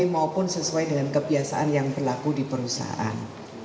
maupun sesuai dengan kebiasaan yang berlaku di perusahaan